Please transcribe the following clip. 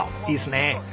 いいですねえ。